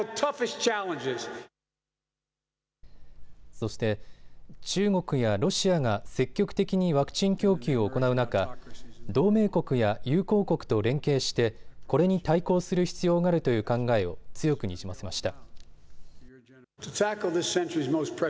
そして、中国やロシアが積極的にワクチン供給を行う中、同盟国や友好国と連携してこれに対抗する必要があるという考えを強くにじませました。